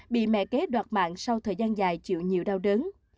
bố bé đoạt mạng sau thời gian dài chịu nhiều đau đớn